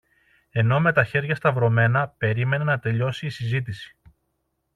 ενώ με τα χέρια σταυρωμένα περίμενε να τελειώσει η συζήτηση